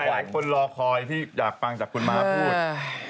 หลายคนรอคอยที่อยากฟังจากคุณม้าพูด